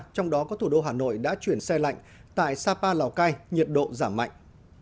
trong đó có thủ đô hà nội đã chuyển xe lạnh tại sapa lào cai nhiệt độ giảm mạnh